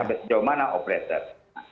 habis sejauh mana operator